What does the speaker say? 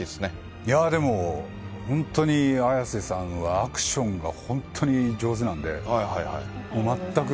いやー、でも本当に綾瀬さんはアクションが本当に上手なんで。